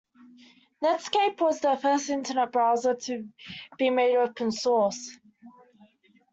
Netscape was the first internet browser to be made open source.